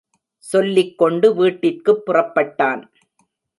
சொல்லிக் கொண்டு வீட்டிற்குப் புறப்பட்டான்.